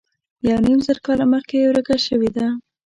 یو نیم زر کاله مخکې ورکه شوې ده.